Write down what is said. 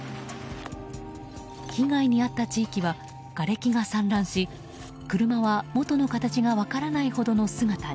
被害に遭った地域はがれきが散乱し車は元の形が分からないほどの姿に。